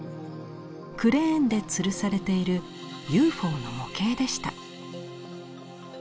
クレーンでつるされているＵＦＯの模型でした。